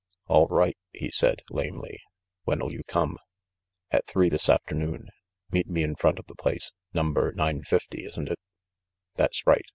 "All right," he said, lamely. "When'll you come?" "At three this afternoon. Meet me in front of the place — number 950, isn't it? That's right.